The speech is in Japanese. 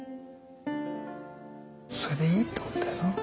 それでいいってことだよな。